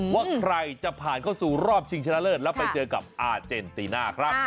ว่าใครจะผ่านเข้าสู่รอบชิงชนะเลิศแล้วไปเจอกับอาเจนติน่าครับ